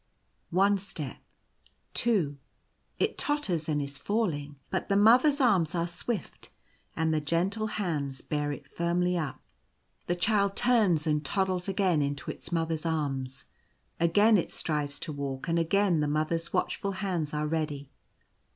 One step — two — it totters, and is falling; but the Mother's arms are swift, and the gentle hands bear it firmly up. The Child turns and toddles again into its Mother's arms. Again it strives to walk; and again the Mother's watch ful hands are ready.